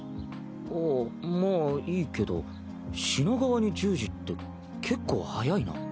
ああまあいいけど品川に１０時って結構早いな。